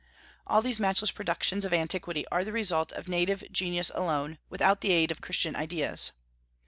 All these matchless productions of antiquity are the result of native genius alone, without the aid of Christian ideas.